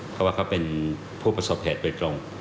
เพราะว่าเขาเป็นผู้ประสบแผดเวตลง